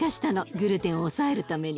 グルテンを抑えるために。